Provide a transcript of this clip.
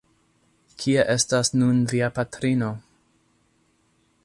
Kie estas nun via patrino?